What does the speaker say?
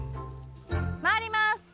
まわります。